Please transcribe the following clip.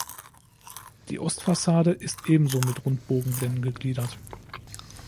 Die Ostfassade ist ebenso mit Rundbogenblenden gegliedert.